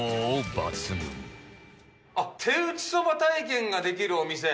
手打ち蕎麦体験ができるお店？